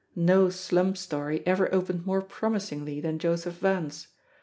No slum story ever opened more promisingly than Joseph Vance.